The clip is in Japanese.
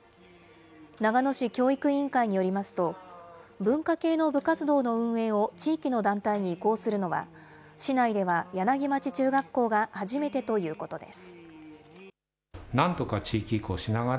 長野市教育委員会によりますと、文化系の部活動の運営を地域の団体に移行するのは、市内では柳町中学校が初めてということです。